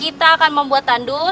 kita akan membuat tanduk